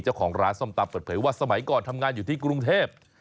เจ้าของร้านส้มตำเปิดเผยว่าสมัยก่อนทำงานอยู่ที่กรุงเทพ